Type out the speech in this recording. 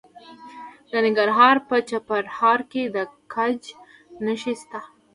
د ننګرهار په چپرهار کې د ګچ نښې شته.